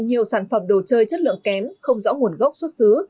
nhiều sản phẩm đồ chơi chất lượng kém không rõ nguồn gốc xuất xứ